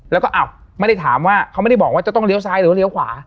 แล้วก็อ้าวไม่ได้ถามว่าเขาไม่ได้บอกว่าจะต้องเลี้ยซ้ายหรือว่าเลี้ยวขวา